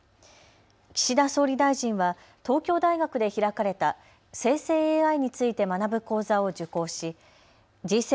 岸田総理大臣は東京大学で開かれた生成ＡＩについて学ぶ講座を受講しＧ７・